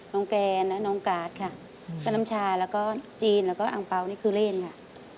น้องแกนน้องกาสค่ะน้ำชาแล้วก็จีนแล้วก็อังเปานี่คือเล่นค่ะ